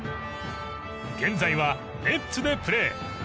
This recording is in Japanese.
現在はネッツでプレー。